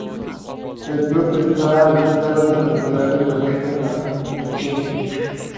The interior is covered with barrel vaulting on four supporting arches.